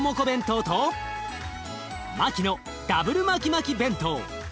弁当とマキのダブルマキマキ弁当。